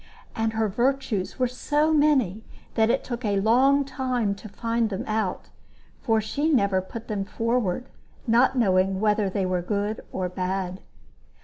And her virtues were so many that it took a long time to find them out, for she never put them forward, not knowing whether they were good or bad.